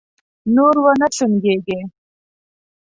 نور و نه سونګېږې!